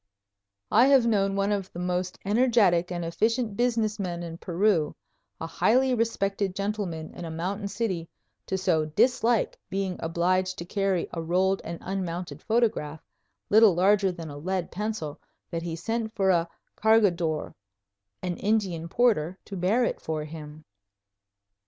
I have known one of the most energetic and efficient business men in Peru, a highly respected gentleman in a mountain city, so to dislike being obliged to carry a rolled and unmounted photograph, little larger than a lead pencil, that he sent for a cargador, an Indian porter, to bear it for him!